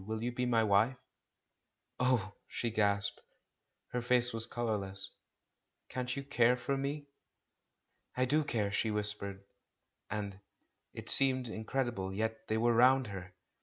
Will you be my wife?" "Oh!" she gasped. Her face was colourless. "Can't you care for me?" "I do care," she whispered, and — It seemed incredible, yet they were round her